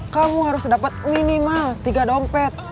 kamu harus dapat minimal tiga dompet